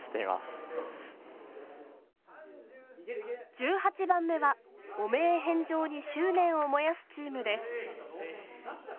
１８番目は汚名返上に執念を燃やすチームです。